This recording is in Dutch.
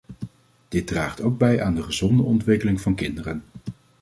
Dit draagt ook bij aan de gezonde ontwikkeling van kinderen.